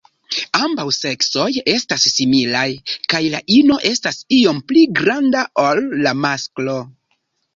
Ambaŭ seksoj estas similaj, kaj la ino estas iom pli granda ol la masklo.